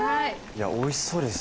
いやおいしそうです